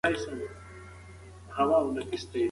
د ښځي حقونه باید په ټولنه کي ورکول سي.